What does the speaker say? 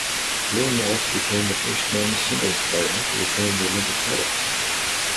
Lin also became the first men's singles player to retain the Olympic title.